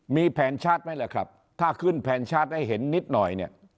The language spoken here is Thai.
มีแผนชาติไหมล่ะครับถ้าขึ้นแผนชาติให้เห็นนิดหน่อย